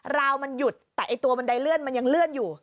ราวมันหยุดแต่ไอ้ตัวบันไดเลื่อนมันยังเลื่อนอยู่